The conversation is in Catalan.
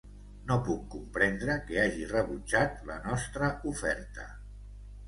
No puc comprendre que hagi rebutjat la nostra oferta.